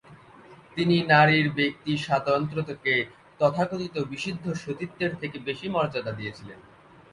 তিনি নারীর ব্যক্তিস্বাতন্ত্রকে তথাকথিত বিশুদ্ধ সতীত্বের থেকে বেশি মর্যাদা দিয়েছিলেন।